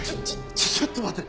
ちょちょっと待って。